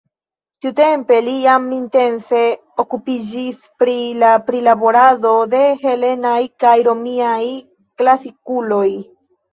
Tiutempe li jam intense okupiĝis pri la prilaborado de helenaj kaj romiaj klasikuloj.